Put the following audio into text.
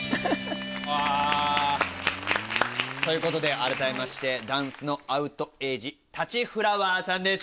わぁ。ということで改めましてダンスのアウトエイジたちフラワーさんです